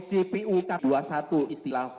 jpu k dua puluh satu istilah